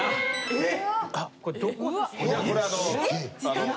えっ？